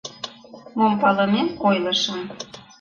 Мом палымем ойлышым...